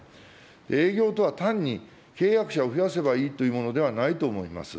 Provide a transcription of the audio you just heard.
営業とは単に、契約者を増やせばいいというものではないと思います。